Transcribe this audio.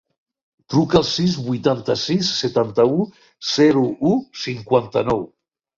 Truca al sis, vuitanta-sis, setanta-u, zero, u, cinquanta-nou.